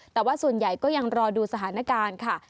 แต่ว่าส่วนใหญ่ก็ยังรอดูสถานการณ์ค่ะ